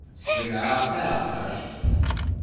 Sbelɛeɣ taɛeqqact.